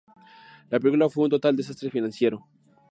La película fue un total desastre financiero.